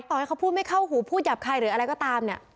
ต่อให้เขาพูดไม่เข้าหูพูดหยาบคายหรืออะไรก็ตามเนี่ย